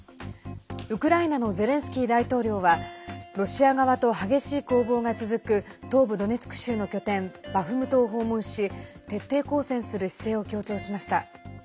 ウクライナのゼレンスキー大統領はロシア側と激しい攻防が続く東部ドネツク州の拠点バフムトを訪問し徹底抗戦する姿勢を強調しました。